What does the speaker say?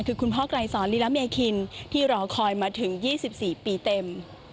คือคุณพ่อไกรสอนลีลาเมคินที่รอคอยมาถึง๒๔ปีเต็ม